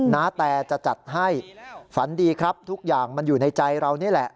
นาแตจะจัดให้ฝันดีครับทุกอย่างมันอยู่ในใจเรานี่แหละ